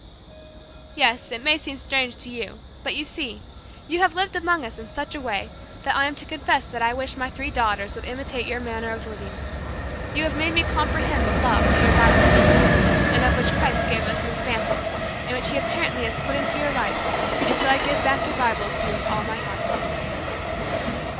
"Yes, it may seem strange to you, but you see, you have lived among us in such a way that I am to confess that I wish that my three daughters would imitate your manner of living. You have made me comprehend the love that your Bible speaks of, and of which Christ gave us an example, and which He apparently has put into your life, and so I give back your Bible to you with all my heart."